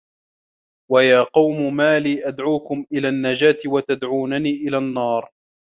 وَيا قَومِ ما لي أَدعوكُم إِلَى النَّجاةِ وَتَدعونَني إِلَى النّارِ